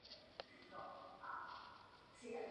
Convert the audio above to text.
V laboratoři i v průmyslu se používá jako oxidační činidlo.